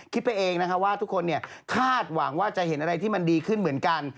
ไปเองนะคะว่าทุกคนคาดหวังว่าจะเห็นอะไรที่มันดีขึ้นเหมือนกัน